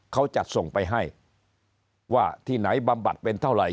เขาจัดส่งไปให้ว่าที่ไหนบำบัดเป็นเท่าไหร่